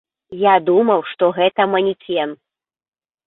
Я думаў, што гэта манекен.